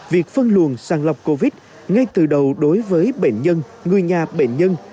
việc phân luồng sàng lọc covid ngay từ đầu đối với bệnh nhân người nhà bệnh nhân